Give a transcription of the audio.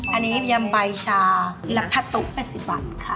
อันนี้ยำใบชาและผ้าตุ๊๘๐บาทค่ะ